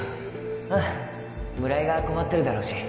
うん村井が困ってるだろうし